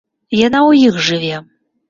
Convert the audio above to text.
Яна ў іх жыве.